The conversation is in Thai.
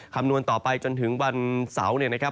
คำนวณต่อไปจนถึงวันเสาร์เนี่ยนะครับ